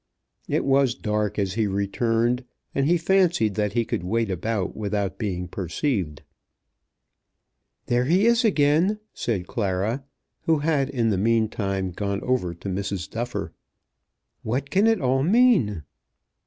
It was dark as he returned, and he fancied that he could wait about without being perceived. "There he is again," said Clara, who had in the mean time gone over to Mrs. Duffer. "What can it all mean?"